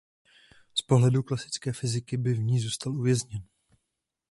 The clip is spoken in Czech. Z pohledu klasické fyziky by v ní zůstal uvězněn.